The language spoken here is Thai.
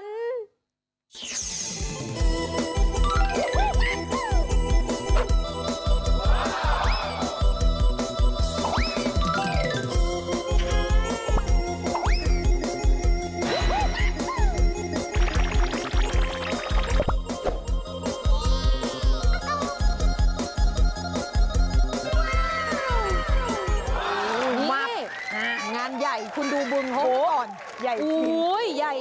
นี่งานใหญ่คุณดูบุรุมฮกูตอน